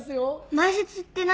前説って何？